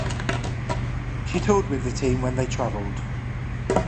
She toured with the team when they traveled.